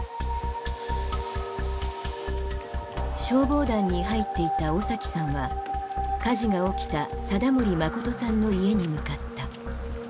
消防団に入っていた尾さんは火事が起きた貞森誠さんの家に向かった。